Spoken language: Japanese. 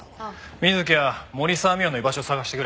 水木は森沢未央の居場所を捜してくれ。